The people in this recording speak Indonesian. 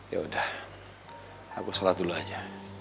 yaudah aku salat dulu aja